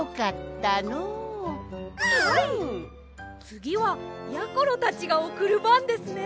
つぎはやころたちがおくるばんですね！